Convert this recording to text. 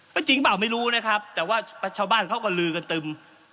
ก็จริงเปล่าไม่รู้นะครับแต่ว่าชาวบ้านเขาก็ลือกันตึม